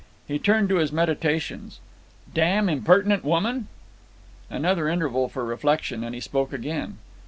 He turned to his meditations. "Damn impertinent woman!" Another interval for reflection, and he spoke again.